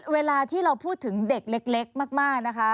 เวลาที่เราพูดถึงเด็กเล็กมากนะคะ